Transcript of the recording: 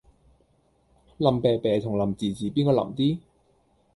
腍啤啤同腍滋滋邊個腍啲？